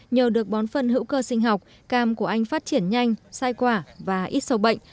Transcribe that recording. nhờ được bón phân hữu cơ sinh học cam của anh phát triển nhanh sai quả và ít sầu bệnh